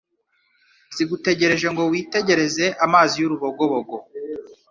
zigutegereje ngo witegereze amazi y'urubogobogo